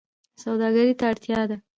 سوداګرۍ ته اړتیا ده